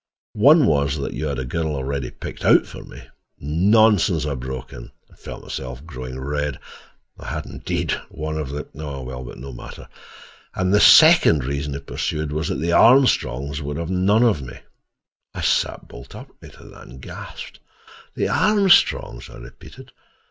"One was that you had a girl already picked out for me—" "Nonsense," I broke in, and felt myself growing red. I had, indeed, one of the—but no matter. "And the second reason," he pursued, "was that the Armstrongs would have none of me." I sat bolt upright at that and gasped. "The Armstrongs!" I repeated.